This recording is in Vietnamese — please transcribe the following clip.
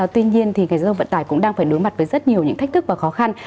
tuy nhiên thì ngành giao thông vận tải cũng đang phải đối mặt với rất nhiều những thách thức và khó khăn